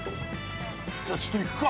じゃあちょっといくか。